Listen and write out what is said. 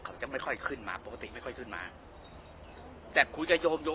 เขาจะไม่ค่อยขึ้นมาปกติไม่ค่อยขึ้นมาแต่คุยกับโยมโยม